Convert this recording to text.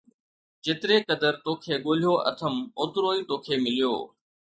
جيتري قدر توکي ڳولهيو اٿم، اوترو ئي توکي مليو